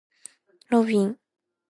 ロビン